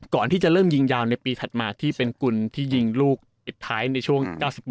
ก่อนที่จะเริ่มยิงยาวในปีถัดมาที่เป็นกุลที่ยิงลูกปิดท้ายในช่วง๙๙